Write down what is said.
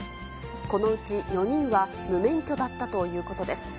このうち４人は無免許だったということです。